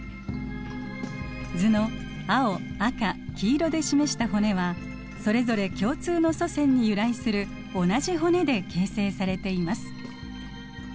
図の青赤黄色で示した骨はそれぞれ共通の祖先に由来する同じ骨で形成されています。